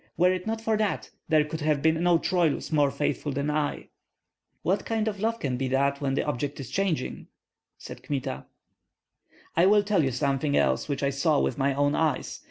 Were it not for that, there could have been no Troilus more faithful than I." "What kind of love can that be when the object is changing?" said Kmita. "I will tell you something else which I saw with my own eyes.